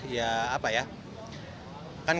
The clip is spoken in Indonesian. sepeda ini lebih ramai